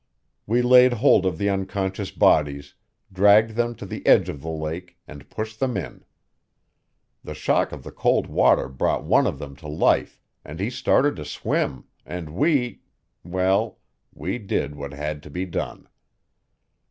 We laid hold of the unconscious bodies, dragged them to the edge of the lake, and pushed them in. The shock of the cold water brought one of them to life, and he started to swim, and we well, we did what had to be done.